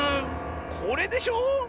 これでしょ！